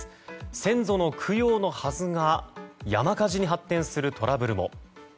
先祖の供養のはずが山火事に発展するトラブルも。